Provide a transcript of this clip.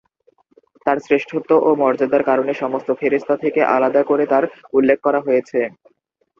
তার শ্রেষ্ঠত্ব ও মর্যাদার কারণে সমস্ত ফেরেশতা থেকে আলাদা করে তার উল্লেখ করা হয়েছে।